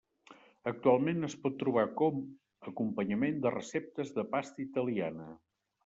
Actualment es pot trobar com acompanyament de receptes de pasta italiana.